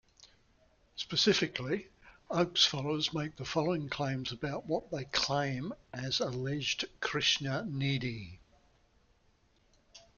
Specifically, Oak's followers make the following claims about what they claim as alleged Krishna-neeti.